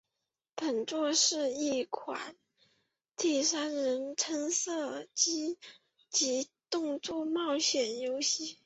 本作是一款第三人称射击及动作冒险游戏。